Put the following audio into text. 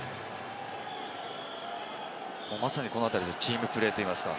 まさにこの辺り、チームプレーといいますか。